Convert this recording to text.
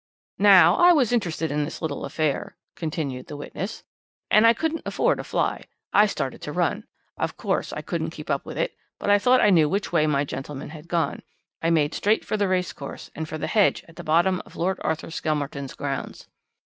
"'Now, I was interested in this little affair,' continued the witness, 'and I couldn't afford a fly. I started to run. Of course, I couldn't keep up with it, but I thought I knew which way my gentleman had gone. I made straight for the racecourse, and for the hedge at the bottom of Lord Arthur Skelmerton's grounds.